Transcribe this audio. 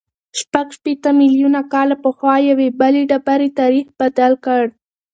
شپږ شپېته میلیونه کاله پخوا یوې بلې ډبرې تاریخ بدل کړ.